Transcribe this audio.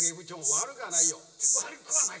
悪くはない。